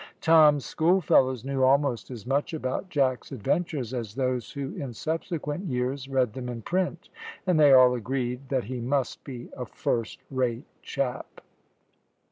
Tom's schoolfellows knew almost as much about Jack's adventures as those who, in subsequent years, read them in print, and they all agreed that he must be a first rate chap.